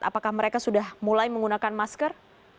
apakah mereka sudah mulai menggunakan masker